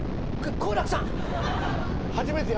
好楽さん。